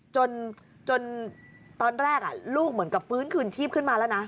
จนตอนแรกลูกเหมือนกับฟื้นคืนชีพขึ้นมาแล้วนะ